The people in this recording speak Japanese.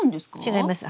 違います